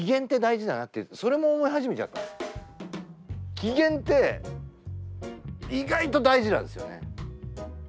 機嫌って意外と大事なんですよね。